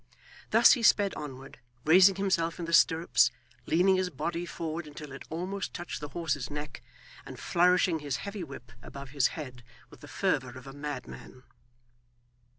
Thus he sped onward, raising himself in the stirrups, leaning his body forward until it almost touched the horse's neck, and flourishing his heavy whip above his head with the fervour of a madman.